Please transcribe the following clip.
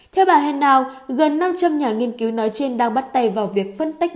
theo bà henao gần năm trăm linh nhà nghiên cứu nói trên đang bắt tay vào việc phân tách